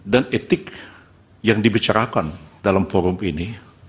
dan etik yang dibicarakan dalam forum ini